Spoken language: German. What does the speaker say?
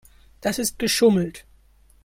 Das ist geschummelt.